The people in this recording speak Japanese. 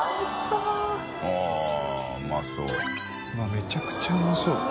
めちゃくちゃうまそう。